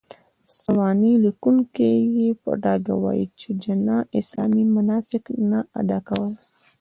سوانح ليکونکي يې په ډاګه وايي، چې جناح اسلامي مناسک نه اداء کول.